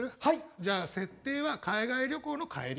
じゃあ設定は海外旅行の帰り。